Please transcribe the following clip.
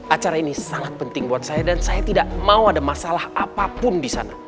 acara ini sangat penting buat saya dan saya tidak mau ada masalah apapun di sana